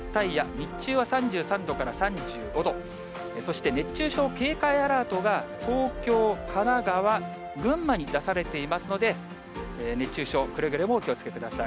日中は３３度から３５度、そして熱中症警戒アラートが、東京、神奈川、群馬に出されていますので、熱中症、くれぐれもお気をつけください。